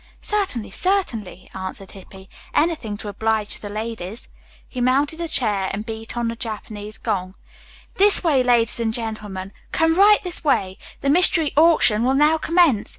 "Certainly, certainly," answered Hippy. "Anything to oblige the ladies." He mounted a chair and beat on the Japanese gong. "This way, ladies and gentlemen. Come right this way! The 'Mystery Auction' will now commence.